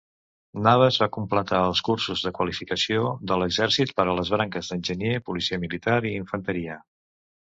Navas va completar els cursos de qualificació de l'exèrcit per a les branques d'Enginyer, Policia Militar i Infanteria.